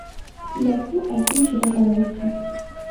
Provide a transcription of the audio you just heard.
দেখো, এখনই সেটা করা হচ্ছে।